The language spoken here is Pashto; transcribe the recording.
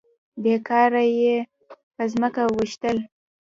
بې کاره يې په ځمکه ويشتل.